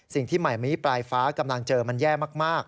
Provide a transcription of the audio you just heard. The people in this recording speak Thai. สิ่งที่ใหม่มีปลายฟ้ากำลังเจอมันแย่มาก